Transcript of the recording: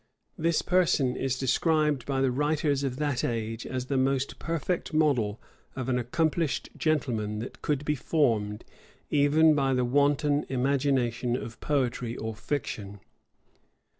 This person is described by the writers of that age, as the most perfect model of an accomplished gentleman that could be formed even by the wanton imagination of poetry or fiction.